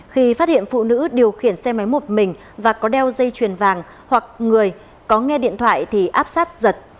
khi phát hiện phụ nữ điều khiển xe máy một mình và có đeo dây chuyền vàng hoặc người có nghe điện thoại thì áp sát giật